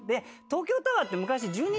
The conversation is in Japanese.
東京タワーって。